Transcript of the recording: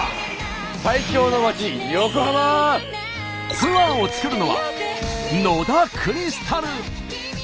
ツアーを作るのは野田クリスタル。